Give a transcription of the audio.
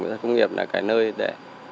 mỹ thuật công nghiệp là cái nơi để